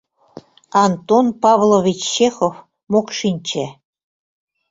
Антон Павлович ЧЕХОВ «МОКШИНЧЕ»